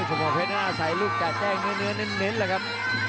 ชมพ์เพชรน่าจะใสลูกแจ้งเนื้อเน้นแหละครับ